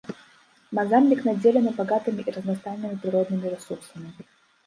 Мазамбік надзелены багатымі і разнастайнымі прыроднымі рэсурсамі.